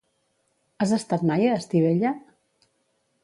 Has estat mai a Estivella?